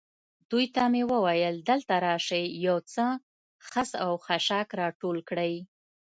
دوی ته مې وویل: دلته راشئ، یو څه خس او خاشاک را ټول کړئ.